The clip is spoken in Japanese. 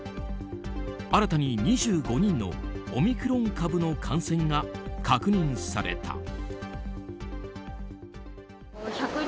新たに２５人のオミクロン株の感染が確認された。